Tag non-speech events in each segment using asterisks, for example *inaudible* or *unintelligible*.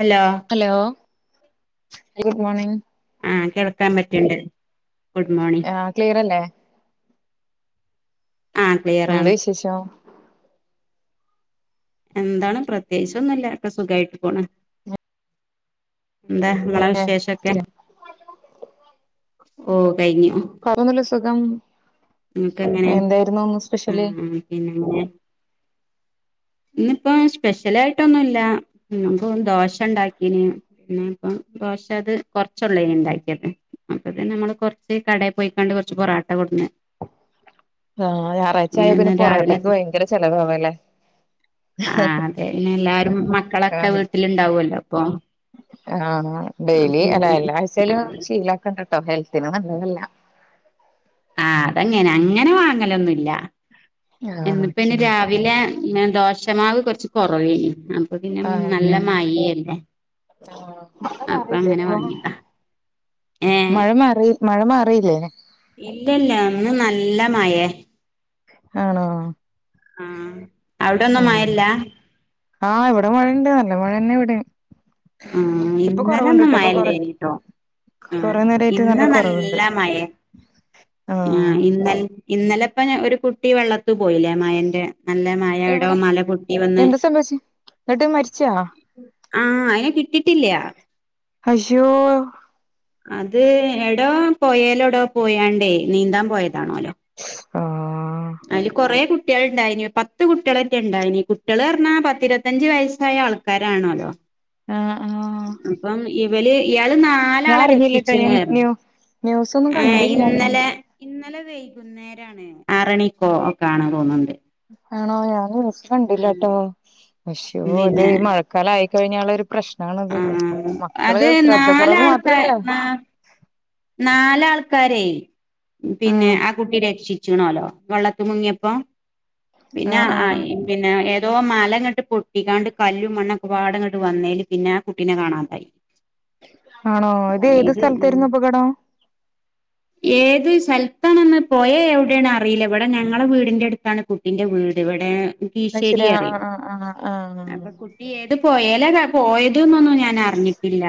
Hello hello good morning ആഹ് കേൾക്ക പറ്റ്ൺണ്ട് ഗുഡ് മോർണിം ആഹ് ക്ലിയറല്ലേ ആഹ് ക്ലിയർ ആണ് എന്താ വിശേഷം എന്താണ് പ്രത്യേകിച്ചൊന്നുല്ല ഒക്കെ സുഖായിട്ട് പോണ് എന്താ ങ്ങളെ ഏ വിശേഷൊക്കെ ഓ കഴിഞ്ഞു വേറൊന്നുല്ല സുഖം എന്തായിരുന്നു ഇ ന്ന് സ്പെഷ്യല് പിന്നെ ഇന്നിപ്പോ സ്പെഷ്യലായിട്ടൊന്നുല്ല നമുക്ക് ദോശ ഉണ്ടാക്കീന് ഇന്ന്ഇപ്പ ദോശ അത് കൊറച്ചുള്ള നി ഉണ്ടാക്കിയത് അപ്പൊത്തിന് നമ്മള് കൊറച്ച് കടെ പോയിക്കാണ്ട് കൊറച്ച് പൊറാട്ട കൊടുന്ന് ആഹ് ഞായറാഴ്ച്ചായ അങ്ങനെന്ന് പിന്നെ രാവിലെ പൊറോട്ടക്ക് ഭയങ്കര ചെലവാല്ലേ ആഹ് അതെ പിന്നെ എല്ലാരും മക്കളൊക്കെ വീട്ടിലുണ്ടാവോല്ലോ അപ്പം ആഹ് ഡെയിലി അല എല്ലാ ആഴ്ച്ചാലും പിന്നെ ശീലാക്കണ്ട കേട്ടോ ഹെൽത്തിന് നല്ലതല്ല അതെങ്ങനെ അങ്ങനെ വാങ്ങലൊന്നുല്ല ആ ഇന്നിപ്പനി ഓക്കെ രാ രാവിലെ ദോഷമാവ് കുറച്ച് കുറവേനി ഇപ്പൊ പിന്നെ ആ നല്ല ഓക്കെ ഓക്കെ മയിയല്ലേ മഴ അപ്പൊ മാറിയില്ലേ അങ്ങനെ ഇപ്പൊ വാങ്ങീതാ മഴ മാറി മഴ മാറിയില്ലേ ഇല്ലല്ല ഇന്ന് നല്ല മയേ ആണോ ആഹ് അവിടൊന്നും മയല്ലാ? ആഹ് ഇവിടെ മഴുണ്ട് നല്ല മഴന്നെ ഇവിടിം ആഹ് ഇന്നലെന്നും ഇപ്പൊ കൊറ മയല്ലേനിട്ടോ ആഹ് കൊറേ നേരായിട്ട് ഇന്ന് കൊറവുണ്ട് നല്ല മയേ ആ ആഹ് ഇന്ന ഇന്നലെപ്പ ഒരു കുട്ടി വെള്ളത്തു പോയില്ലേ മയന്റെ നല്ല മയ എവിടോ എവിടെ മല പൊട്ടി വന്ന് എന്താ സംഭവിച്ചേ എന്നിട്ട് മരിച്ചാ ആഹ് അയിനെ കിട്ടിട്ടില്ല ഹയ്ശ്യോ അത് എടോ പോയലോടോ പോയാണ്ടേ നീന്താൻ പോയതാണോല്ലോ ആഹ് അയില് കുറെ കുട്ടി കുട്ടിയേൾ ഇണ്ടായിന് പത്ത് കുട്ടിയേളെ റ്റെ ഇണ്ടായീന്നു കുട്ടിയെള്ന്നറഞാ പത്തിരുപഞ്ച വയസ്സായ ആൾക്കാരാണലോ ആഹ് ആഹ് ഇപ്പം ഇവൽ ഇയാള് നാ ഞാൻ നാലാളെ അറിഞ്ഞില്ലട്ടോ രക്ഷിച്ചണ് ഞാൻ പറഞ്ഞ് ന്യൂ ന്യൂസൊന്നും കണ്ടില്ല ഞാന് ഇന്നലെ ഇന്നലെ വൈകുന്നേരാണ് ആറണിക്കോ ഒ ക്കാണ് തോന്ന്ണ്ട് ആണോ ഞാൻ ന്യൂസ്‌ കണ്ടില്ലട്ടോ അശ്യാ ഇത് പിന്നെ ഈ മഴ മഴക്കാലായി കഴിഞള്ള ഒരു പ്രശ്നാണത് ആഹ് മക്കള് അത് ശ്രദ്ധ കുറവ് നാലാൾക്കാ മാത്രല്ല നാ നാലാൾക്കാരെ പിന്നെ ആഹ് ആ കുട്ടി രക്ഷി- ച്ച്ണല്ലോ വെള്ളത്തി മുങ്ങിയപ്പോ പിന്നെ ആഹ് ആഹ് ആയി പിന്നെ ഏതോ മലങ്ങട്ട് പൊട്ടിങ്ങാണ്ട് കല്ലും മണ്ണൊക്കെ പാടെ ഇങ്ങട്ട് വന്നേല് പിന്നെ ആ കുട്ടിനെ കാണാതായി ആണോ ഇത് ഏത് സ്ഥലത്തെ രുന്നു അപകടം. ഏത് സ്ഥലത്താണന്ന് പൊയ എവിടെണ് അറിയില്ല ഇവിടെ ഞങ്ങളെ വീടിന്റെ അടുത്താണ് കുട്ടി കുട്ടിന്റെ വീട് ഇവിടെ കീശ്ശേരി അയ്ശെരി ആഹ് അറിം ആഹ് ആഹ് ആഹ് ആഹ് അപ്പൊകുട്ടി ഏത് പൊയേലാ പോയത് ന്ന്ന്നും ഞാൻ അറിഞ്ഞി ഇല്ല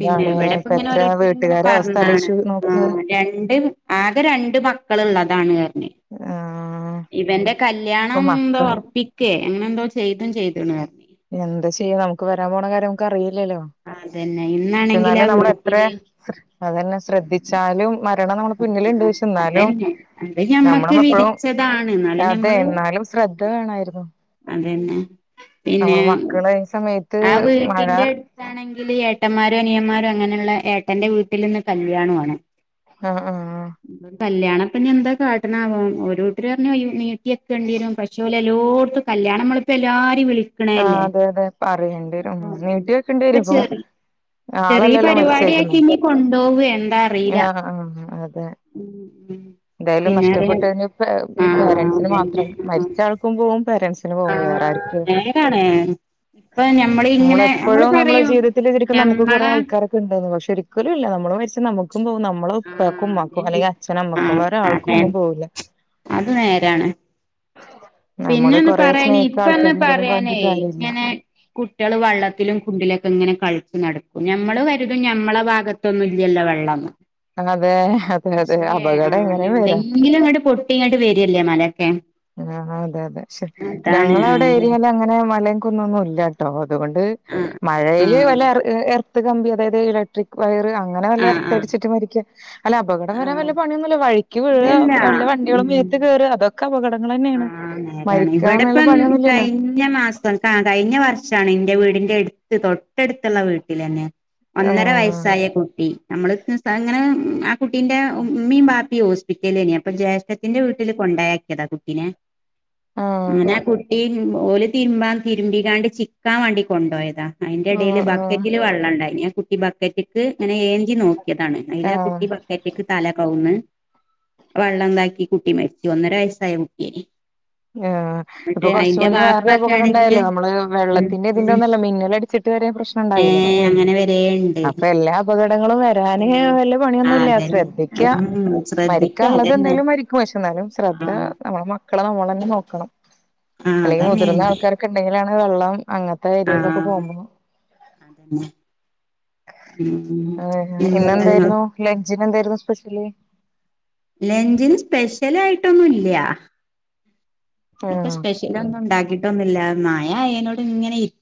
പിന്നെ ഇപ്പ ഇവിടെപ്പങ്ങനെ എത്ര ഓരോരുത്തര്ങ്ങനെ വീട്ടുകാരെ അവസ്ഥ പറ്ഞ്ഞാണ് ആലോചിച്ചു നോക്ക് രണ്ട് ആകെ രണ്ട് മക്കള്ള്ളതാണ് പറഞ് ആഹ് ഇവന്റെ ഇപ്പൊ കല്യാണം എന്തോ മക്ക ഉറപ്പിക്കേ അങ്ങനെ എന്തോ ചെയ്തും ചെയ്തുണ് പറഞ്ഞു എന്താ ചെയ്യ നമുക്ക് വരാൻ പോണ കാര്യം നമുക്ക് അറിയില്ലല്ലോ ആ അതന്നെ ഇന്നാണെങ്കി ആ വീട്ടില് അതെന്നെ ശ്രദ്ധി ച്ചാലും മരണം നമ്മളെ ആ പിന്നില്ണ്ട്. പക്ഷെ ന്നാലും അതന്നെ അത് ഞമ്മള ഞമ്മക്ക് മക്കളും വിധിച്ചതാണ് എന്നാലും അതെ എന്നാലും ശ്രദ്ധ വേണായിരുന്നു. അതെന്നെ. പിന്നെ നമ്മള് മക്കള് ഈ സമയത്ത് ആ മഴ വീടിൻ്റെ എട് ത്താണെങ്കില് ഏട്ടന്മാരും അനിയന്മാരും അങ്ങനെള്ളേ ഏട്ടന്റെ വീട്ടിൽ ഇന്ന് കല്യാണു ആണ്. ആഹ് ആഹ് കല്യാണം ഇപ്പം ഇനി എന്താ കാട്ട്ണാവോ ഒരൂട്ടര് പറഞ്ഞ് ഈ നീട്ടിയെക്കണ്ടി വരും. പക്ഷെ ഓല് എല്ലോട്ത്തും കല്യാണമ്മളിപ്പോ എല്ലാരിം വിളി ആഹ് അതെ അതെ പറയണ്ടി വരും. ഉം നീട്ടി വെക്കണ്ടി വരും. ഇപ്പൊ ഇപ്പം ചെറി ചെറിയ ആളല്ലല്ലോ മരിച്ചേക്ക്ന്നെ പരിപാടിയാക്കി ഇനി കൊണ്ടോവോ എന്താ ആ അറിയില്ല ആ അതെ. ഉം ഉം എന്തായാലും പിന്നേറെ നഷ്ടപ്പെട്ടെന്നെ പേ മ്മ് ആഹ് പേരൻ്റ്സിന് അതന്നെ മാത്രം മരി ച്ചാൾക്കും പോവും പേരൻസിനും പോവും വേറെ ആർക്ക്? അതാണ് ഇപ്പോ ഞമ്മള് ഇങ്ങനെ അമ്മള് നമ്മളെപ്പോഴും പറയും ഞമ്മളെ ക്ക്ട്ട്ന്ന് പക്ഷെ ഒരിക്കലും ഇല്ല നമ്മള് മരിച്ച നമ്മക്കും പോവും ന മ്മളെ ഉപ്പാക്കും ആഹ് ഉമ്മാക്കും അതന്നെ അല്ലെങ്കി അച്ഛനും അമ്മക്കും ആഹ് വേറെ ആർക്കും അതെ ഒന്നും പോവില്ല. അത് നേരാണ്. *inaudible* പിന്നെന്ന് കൊറേ പറയാന് സ്നേഹിക്ക ഇപ്പന്ന് ആൾക്കാരുണ്ടെന്നും പറയാനേ പറഞ്ഞിട്ട് കാര്യമില്ല ഇങ്ങനെ കുട്ട്യള് വള്ളത്തിലും കുണ്ടിലൊക്കെ ഇങ്ങനെ കൾച്ച് നട്ക്കും ഞമ്മള് കരുതും ഞമ്മളെ ഭാഗ ത്തൊന്നും ഇല്ല്യല്ലോ വെള്ളംന്ന്. അതേ അതെ അതെ അപകടം എങ്ങനെയും വെരാ. മുന്നില് ഇങ്ങട് പൊട്ടി ഇങ്ങട്ട് വരല്ലേ മലൊക്കെ. ആഹ് അതെ അതെ ക്ഷെ അതാണ് ഞങ്ങള വ്ടെ ആഹ് ഏരിയേലങ്ങനെ മലേം കുന്നൊന്നും ഇല്ല ട്ടോ അതുകൊണ്ട് ആഹ് മഴയില് ആഹ് വല്ല എർ ഏ എർത്ത് കമ്പ്യോ അതായത് ഇലക്ട്രിക് വയറ് അ ങ്ങനെ വല്ല ആഹ് എർത്ത് ആഹ് അടിച്ചിട്ട് മരിക്ക അല്ല അപകടം വരാൻ ആഹ് വല്ല പണിയൊന്നുല്ല വഴ്ക്കി വീഴോ ഇല്ലല്ല വല്ല വണ്ടികളും ഉം മേത്ത് കേറ അതൊക്കെ അപകട ങ്ങളെന്നേണ് ആഹ് മരിക്കാൻ നല്ല പണിയൊന്നും ഇല്ല്യല്ലോ. കയ്ഞ്ഞ മാസം ആ കഴിഞ്ഞ വർഷാണ് ഇന്റെ വീടിന്റെ എട്ത്ത് തൊട്ടട്ത്ത്ള്ള വീട്ടിലെന്നെ ഒന്നര ആഹ് വയസ്സായ കുട്ടി അമ്മള് *inaudible* ഇങ്ങനെ ആ കുട്ടീന്റെ ഉ ഉമ്മീം ബാപ്പിം ഹോസ്പിറ്റലിലേനി അപ്പോ ജേഷ്ഠത്തിന്റെ വീട്ട്ല് കൊണ്ടോയാ ക്യത കുട്ടീനെ ആഹ് അങ്ങനെ ആ കുട്ടി ഓല് തിര്മ്പാൻ തിര്മ്പിക്കാണ്ട് ചിക്കാൻ വാണ്ടി കൊണ്ടോയതാ ഉം അയ്ന്റെടേല് ഉം ബക്കറ്റില് വള്ളം ഇണ്ടായിനി ആ കുട്ടി ബക്കറ്റ്ക്ക് ഇങ്ങനെ ഏന്തി നോക്ക്യതാണ്. അയിലാ ആഹ് കുട്ടി ബ ക്കറ്റ്ക്ക് തല കൗന്ന് വള്ളംതാക്കി കുട്ടി മര്ച്ചു ഒന്നര വയസ്സായ കു ട്ട്യാനി. ആഹ് ഇപ്പോ കൊർച്ച് മുന്നേ വേറൊരു വാപ്പൊക്കെ അപകടം ആണെങ്കില് ഇണ്ടായല്ലേ നമ്മള് വെള്ളത്തിന്റെം ഇതിൻ്റെം ഒന്നും അല്ല മിന്നൽ അട്ച്ചി ട്ട് വരെ പ്രശ്നം ഏ ഇണ്ടായിലേ അങ്ങനെ വരേ ഉണ്ട് അപ്പോ എല്ലാ അപകടങ്ങളും വെ രാന് വല്ല ആ പണിയൊന്നുംല്ല. അതന്നെ ശ്രദ്ധിക്ക ഉം ശ്രദ്ധിക്ക മരിക്കാൻ ഇള്ളത് അതന്നെ എന്താലും മരി ക്കും പക്ഷെ ഇന്നാലും ആ സ്രദ്ധ നമ്മളെ മ ക്കളെ നമ്മളെന്നെ നോക്കണം. ആ അല്ലെങ്കി മുതിർന്ന അതന്നെന്നെ ആൾക്കാരൊക്കെ ഇണ്ടെങ്കിലാണ് വെള്ളം അങ്ങ ത്തെ ഏരിയേക്കൊക്കെ പോവുമ്പം അതെന്നെ. ആ പിന്നെന്താ ഇന്നെന്തായിരുന്നു ലഞ്ചിന് എന്തായിരുന്നു സ്പെഷ്യല്? ലഞ്ചിന് സ്പെഷ്യലായിട്ടൊന്നും ഇല്ല്യ. ഇന്നിപ്പ ആഹ് സ്പെഷ്യലൊന്നുംണ്ടാക്കിട്ടൊന്നുല്ല. മയആയേനോട് ഇങ്ങനെ ഇരി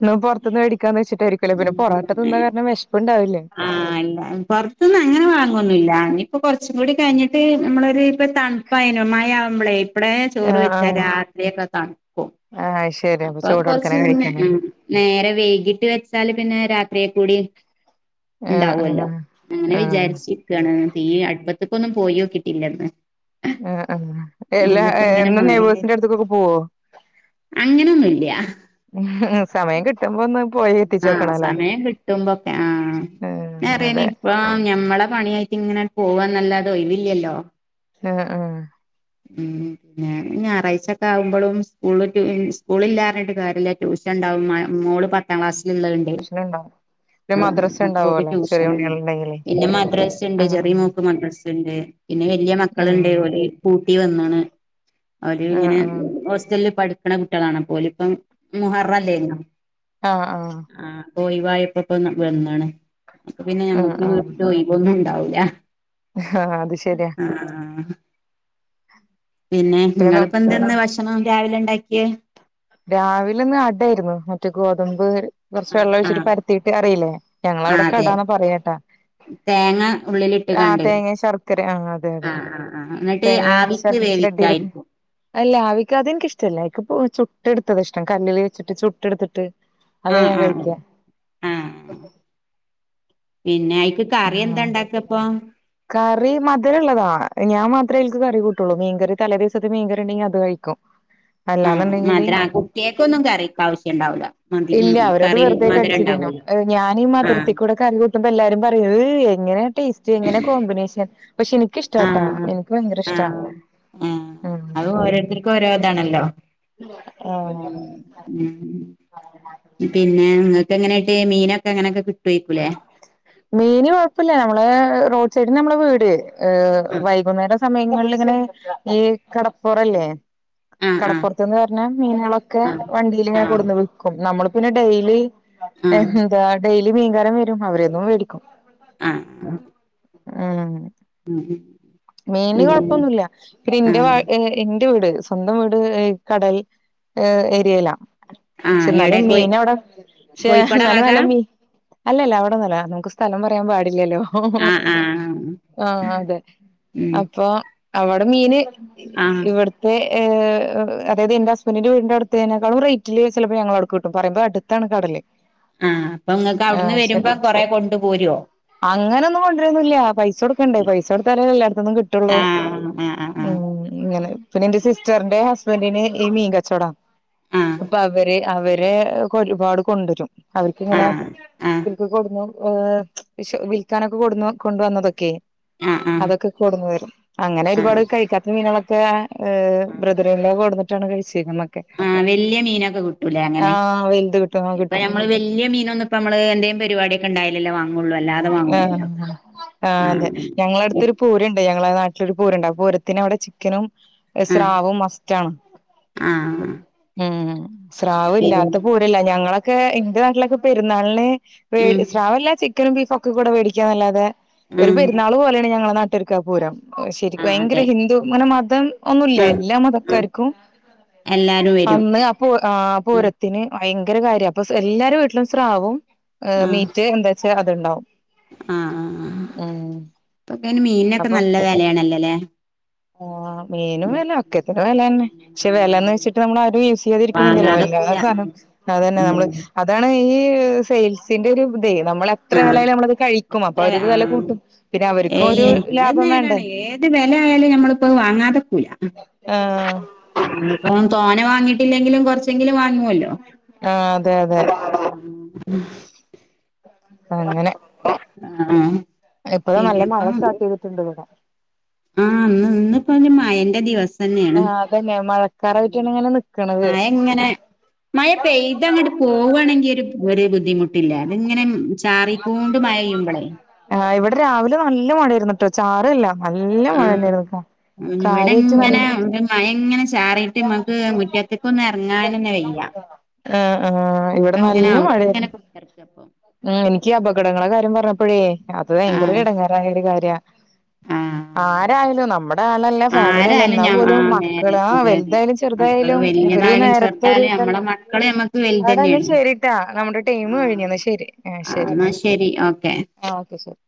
ഇന്ന് പൊർത്ത്ന്ന് വേടിക്കാന്ന് വെച്ചിട്ടായിരിക്കുലെ. പിന്നെ പൊറാട്ട ഉം ഏ തിന്ന കാരണം വെഷ്പ്പ് ഇണ്ടാവില്ല. ആഹ് ഇല്ല പൊർത്ത്ന്ന് അങ്ങനെ വാങ്ങൊന്നുംല്ല. ഇനി ഇപ്പോ കൊർച്ചും കൂടി കയ്ഞ്ഞിട്ട് ന്നമ്മളൊര് ഇപ്പ തൺ പ്പയ്നോ മഴയാവുമ്പ്ലേ ഇബ്ലേ ചോറ് ആഹ് വെച്ചാ ആഹ് രാത്രിയൊക്കെ തൺ ക്കും. ആഹ് അത് ശരി അപ്പൊ അപ്പോ ചൂടോട്ക്കനെ കൊർച്ച്ന്നെ ഉം. കഴിക്കാനായിരിക്കും നേരം വെയ്കീട്ട് വെച്ചാല് പിന്നെ രാത്രിയെക്കൂടിം ആഹ് ഇണ്ടാവൊല്ലോ ആഹ് അങ്ങനെ ആഹ് വിചാരിച്ചിരിക്കാണ്. തീ അട്പ്പത്ത്ക്കൊന്നും പോയോക്കീട്ടില്ല ഇന്ന്. ആഹ് ആഹ് എല്ലാ എ ഇങ്ങനെ എന്നും നെയ്ബേഴ്സിന്റെ അട്ത്ത്ക്കൊക്കെ പോവോ? അങ്ങനൊന്നുംല്ല്യ. സമയം കിട്ടുമ്പോ ഒന്ന് പോയി ആ എത്തിച്ചോക്കണല്ലേ സമയം കിട്ടുമ്പോക്കെ ആ ഞാ ഉം അറ്യാനി അതെ ഇപ്പ ഞമ്മളെ പണ്യായ്ട്ട് ഇങ്ങനെ പോവാന്നല്ലാതെ ഒഴവില്ലല്ലോ? ആഹ ആഹ്. ഉം. ന്നെ ഞാറഴ്ചൊക്കെ ആകുംമ്പോളും സ്കൂള് ട്യൂ സ്കൂളി ല്ലാർഞ്ഞ്യിട്ട് കാര്യല്ല ട്യൂഷൻ ഇണ്ടാവും മോള് പത്ത് ക്ലാസിൽ ഉള്ളതുണ്ട് പ്രശ്നണ്ടാവും പിന്നെ മദ്രസ ആപോ ഓൾക് ഉണ്ടാവോല്ലോ ചെറിയ ട്യൂഷൻണ്ട് ഉണ്ണികളുണ്ടെങ്കിലേ പിന്നെ മദ്രാണ്ട് ആഹ് ചെറിയ മോക്ക് മദ്രാസ് ണ്ട് പിന്നെ വലിയ മക്കളുണ്ട് ആഹ് ഓല പുട്ടി വന്നാണ് അവര് ആഹ് ഇങ്ങനെ ഹോസ്റ്റലിൽ പഠിക്കണ കുട്ടികളാണ് ഓല് ഇപ്പം മുഹറല്ലേ ആഹ ആഹ ആ പോയിവായപ്പോ ഇപ്പൊ വുന്നാണ് അപ്പൊ പിന്നെ ആഹ് ആഹ് ഞമ്മക് ഒന്നുംണ്ടാവുല്ല ആഹ് അത് ശരിയാ പിന്നെ നിങ്ങളിപ്പോ എന്തെന്ന ഭക്ഷണം രാവിലെ ഉണ്ടാക്കിയ രാവില ഇന്ന് അടായിരുന്നു മറ്റേ ഗോതമ്പ് കുറച്ച് വെള്ളം ആഹ് ഒഴിച്ചിട്ട് പരത്തീട്ട് അറിയില്ലേ ഞങ്ങ ആഹ് അവിടക്കെ അതെ അടാന്ന പറയട്ടാ തേങ്ങ ആഹ ഉള്ളിലിട്ട്കാണ്ട് തേങ്ങി ശർക്കരിം ആ അതെ അതെ ആഹ് ആഹ് ആഹ് എന്നിട്ട് തേങ്ങ ആവിക്ക് *unintelligible* വേവിക്കായിരിക്കും അല്ല അവിക്ക അ എനിക്ക ഇഷ്ടല്ല ചുറ്റെടുത്ത എടുത്തത് ഇഷ്ട കല്ലല് വെച്ചിട്ട്ട്ട് എടുത്തിട്ട് ആഹ ആ ആ ആഹ പിന്നെ ആയിക്ക കറി എന്താ ആ ഉണ്ടാക്കപ്പൊ കറി മധുരമുള്ളതാണ് ഞാൻ മാത്രമേനിക്ക് കറി കൂട്ടുള്ളൂ മീൻകറി തലേ ദിവസത്തെ മീൻകറി ഉണ്ടെങ്കിൽ അത് കഴിക്കും ആ *unintelligible* ആഹ് മധുര ആ കുട്ടിയേക്ക ഒന്നും കറി ആവശ്യം ഉണ്ടാവൂല മതി ഇല്ല ഉ അവരത് കറി വെറുതെ കടിച്ചു തിന്നും മധുരംണ്ടാവൂല ഞാനീ മദുരത്തിക്കൂടെ കറി കൂട്ടുമ്പോ എല്ലാരും പറയും എങ്ങനെ ടേസ്റ്റ് എങ്ങനെ കോമ്പിനേഷൻ പക്ഷെ എനിക്കിഷ്ട്ടാട്ടാ ആഹ് എനിക്ക് ഭയങ്കര ഇഷ്ടാ ആഹ് ആഹ് അത് ഉം ഓരോരുത്തർക്കും ഓരോതാണല്ലോ ആഹ് ഉ പിന്നെ നിങ്ങൾക്ക് എങ്ങനെയായിട്ട് മീനൊക്കെ എങ്ങനെയൊക്കെ മീന് കൊഴപ്പില്ല നമ്മളെ റോഡ് സൈഡന് നമ്മളെ വീട് ഏഹ വൈകുന്നേര സമയങ്ങളിൽങ്ങനെ ഈ കടപ്പുറല്ലേ ആഹ് ആഹ് കടപ്പുറത്ത്ന്ന് വര്ണ മീനുകളൊക്കെ ആഹ് വണ്ടിൽ ഇങ്ങനെ ആഹ് കൊടുന്ന് വിക്കും നമ്മള് പിന്നെ ഡെയിലി ആഹ് എന്താ ഡെയിലി മീൻങ്കാരം വരും അവരതും മേടിക്കും ആഹ ആഹ മീ പിന്നെ കൊഴപ്പൊന്നുമല്ല പിെ എന്റെ ആഹ് എന്റെ വീട് സ്വന്തം വീട് കടൽ ഏരിയയില പക്ഷ ആഹ് എന്നാലും എവിടെ കോയി മീൻ അവിടെ ചെ കോഴിക്കോട എന്നാലും ഭാഗ നല്ല മീൻ അല്ലല്ല അവിടെ നല്ല നമുക്ക് സ്ഥലം പറയാൻ പാടില്ലല്ലോ ആഹ് ആഹ് ആഹ അതെ ഉം അപ്പൊ അവിടെ മീന് ആഹ് ഇവിടു *unintelligible* അതായത് എന്റെ ഹസ്ബൻഡിന്റെ വീടിൻന്റെ അടുത്തേക്കാും റേറ്റില് ചിലപ്പോ ഞങ്ങൾ അടുക്ക് കിട്ടും പറയുമ്പോ അടു ട്ടാണ് കടൽ ആഹ് അപ്പൊ നിങ്ങൾക്ക് അവിടുന്ന് വരുമ്പോ കൊറെ കൊണ്ട പോരോ അങ്ങനെന്നും കൊണ്ടരന്നില്ല പൈസ കൊടുക്കണ്ടേ പൈസ കൊടുത്താലേ എല്ലായിടത്തൊന്ന കിട്ടുള്ളൂ ആഹ് ആഹ് ആഹ് ഉം ഇങ്ങനെ പിന്ന എന്റെ സിസ്റ്ററിന്റെ ഹസ്ബൻറിന് ഈ മീൻകച്ചോടാ ആഹ് അപ്പൊ അവര് അവ *unintelligible* ഒരുപാട് കൊണ്ടരും അവർക്കിങ്ങനെ ആഹ് ആഹ് ഇൻക് കൊണ്ട് *unintelligible* വിൽാനൊക്കെ കൊ കൊണ്ടുവന്നതൊക്കെ ആഹ് ആഹ് അതൊക്കെ കൊടന്ന് വരും അങ്ങനെ ഒരുപാട് ആഹ് കഴിക്കാത്ത മീനുകളൊക്കെ ആ ബ്രദറ കൊട ട്ടണ കഴിച്ചക്ക്നെ ആഹ വല്യ മീനൊക്കെ കിട്ടൂലേ അങ്ങനെ ആഹ് വലുത് കിട്ടും ആഹ് ഇപ്പൊ കിട്ടും ഞമ്മള് വല്യ മീനൊ ഇപ്പമ്മൾ എന്തേ പരിപാടൊക്കെണ്ടയ്ലല്ലേ വാ മുള്ളുല്ല ആ ആ അതെ ഞങ്ങളട ആഹ് തൊരു പൂരണ്ട് ഞങ്ങളെ നാട്ടിലൊരു പൂരണ്ട് ആ പൂരത്തിന് അവിടെ ചിക്കനും ആഹ് സ്രാവ് മസ്റ്റ് ആാണ് ആഹ് ഉ സ്രാവ് പിന്നെ ഇല്ലാത്ത പൂരല്ല ഞങ്ങളൊക്കെ എന്റെ നാട്ടിലൊക്കെ പെരുന്നാളിന് ഉം സ്രാവല്ല ചി ചിക്കനും ബീഫ ഒക്കെ കൂടെ മേടിക്കാന്നല്ലാതെ ഒരു ഉം പെര്ന്നാൾ പോലെയാണ് ഞങ്ങളെ നട്ടരുക്കാ പൂരം. ശെരിക്കും ആഹ് ഭയങ്കര അതെ ഹിന്ദു ങ്ങനെ മതം ഒന്നുല്ല ആഹ് എല്ലാ ആഹ് മതക്കാർക്കും എല്ലാരും വരും അന്ന് ആ പൂരത്തിന് ഭയങ്കര കാര്യണ് അപ്പൊ എല്ലാരും വീട്ടിലും സ്രാവും മീറ്റ് ന്താ? ചെ അതുണ്ടാവും. ആ ആ ഉം ഇപ്പൊക്കെ അയ്ന് മീനിനൊക്കെ അപ്പൊ നല്ല വിലയാണല്ലല്ലേ? ആ മീനും വില ഒക്കെത്തനുവിലന്നെ പക്ഷെ ആഹ് വിലയന്ന് വെച്ചിട്ട് നമ്മള ആരും യൂസ് ചെയ്യാതിരിക്കണില്ലല്ലോ എല്ലാ വാങ്ങാതെക്കൂല സാധ അതന്നെ ഉം നമ്മള് അതാണ് ഈ സെയിൽസിന്റെ ഒരു ഇത നമ്മളെ ത്ര ആഹ് വിലലും നമ്മളത് കഴിക്കും എത്ര അപ്പൊ അവര്ത് വില ആഹ് കൂട്ടും പിന്നെ അവർക്കും ഒരു ലാഭം വേണ്ടേ. ത് വില ആയാലും നമ്മളിപ്പോ വാങ്ങാതെക്കുല. ആ തോന വാങ്ങിട്ടില്ലെങ്കിലും കൊറച്ചെങ്കിലും വാ ങ്ങോല്ലോ ആ അതെ അതെ അങ്ങനെ ആ എപ്പഴ നല്ല മഴ സ്റ്റാർട്ട്‌യ്തിട്ടുണ്ട് ഇവടെ ആ ഇന്ന് ഇന്ന്പ്പ മയന്റെ ദിവസ ആ അതന്നെ മഴക്കാരായിട്ടാണ് ഇങ്ങനെ നിക്കണത്. മഴ ഇങ്ങനെ മഴ പെയ്ത അങ്ങോട്ട് പോവുകവാണെങ്കിൽ ഒരു വ ബുദ്ധിമുട്ടില്ല തിങ്ങനെ ചാറിക്കൂണ്ട് മഴയുമ്പളെ ആ ഇവിടെ രാവിലെ നല്ല മഴയിരുന്നിട്ടോ ചാറല്ല നല്ല മഴന്നൊയിരുന്നട്ടോ. ഇവിടെങ്ങനെ മഴങ്ങനെ ചാറിട്ട് നമക്ക് മുറ്റത്തക്കന്ന് ഇറങ്ങാൻ തന്നെ വയ്യ. ആ ആ ഇവിടെ ഒക്കെ ഇങ്ങനെ നല്ല മഴ *unintelligible* മ് എനിക്ക് അപകടങ്ങളെ കാര്യം പറഞ്ഞപ്പോഴേ അത് ഭയങ്കര ആഹ് എടങ്ങാരായ ഒരു കാര്യാ ആഹ് ആരായാലും നമ്മുടെ ആലല്ല ഫാമിലി അല്ല ആരായാലും ന്നാ ഞാ പോലും ആഹ് മക്കള നേരെ ആ അതെ അതെ വലുതായാലും മക്കള് ചെറുതായാലും ഒരു വല്യതായാലും നേരത്തെ ചെറുതായാലും നമ്മളെ ഒരുതല്ലേ. മക്കള് നമ്മക്ക് അവിടെന്ന് വലുതന്നെയാണ് ശെരിട്ടാ നമ്മുടെ ടൈം കഴിഞ്ഞന്നശരി. ആ ന്നാ ശരി ഓക്കെ. ആ ഓക്കെ ശരി.